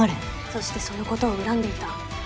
そしてそのことを恨んでいた。